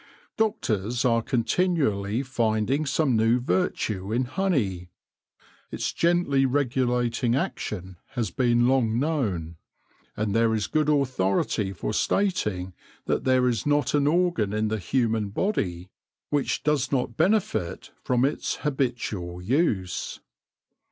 Doctors are continually finding some new virtue in honey. Its gently regulating action has been long known, and there is good authority for stating that there is not an organ in the human body which does THE MODERN BEE FARM 181 not benefit from its habitual use.